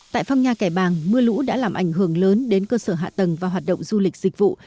tại phong nha kẻ bàng mưa lũ đã làm ảnh hưởng lớn đến cơ sở hạ tầng và hoạt động du lịch dịch vụ